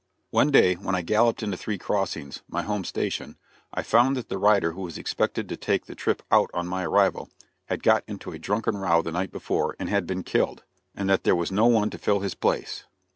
One day when I galloped into Three Crossings, my home station, I found that the rider who was expected to take the trip out on my arrival, had got into a drunken row the night before and had been killed; and that there was no one to fill his place.